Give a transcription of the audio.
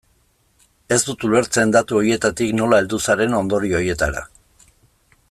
Ez dut ulertzen datu horietatik nola heldu zaren ondorio horietara.